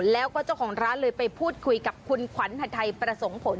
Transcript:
แล้วก็เจ้าของร้านเลยไปพูดคุยกับคุณขวัญหัดไทยประสงค์ผล